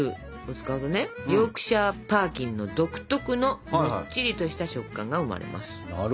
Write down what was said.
ヨークシャー・パーキンの独特のもっちりとした食感が生まれます。